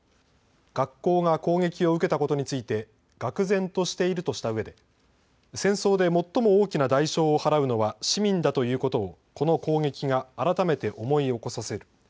学校が攻撃を受けたことについてがく然としているとしたうえで戦争で最も大きな代償を払うのは市民だということをこの攻撃が改めて思い起こさせる。